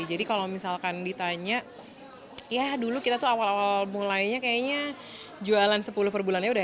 jadi kalau misalkan ditanya ya dulu kita tuh awal awal mulainya kayaknya jualan sepuluh perbulannya udah